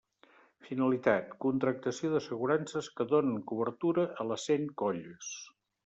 Finalitat: contractació d'assegurances que donen cobertura a les cent colles.